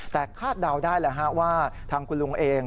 แต่คาดเดาได้ว่าทางคุณลุงเอง